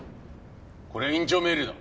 これは院長命令だ。